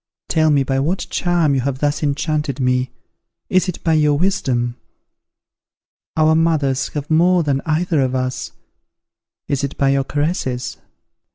Tell me by what charm you have thus enchanted me! Is it by your wisdom? Our mothers have more than either of us. Is it by your caresses?